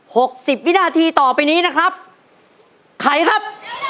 หกสิบวินาทีต่อไปนี้นะครับไขครับ